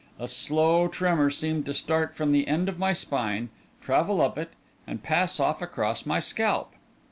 A slow tremor seemed to start from the end of my spine, travel up it, and pass off across my scalp.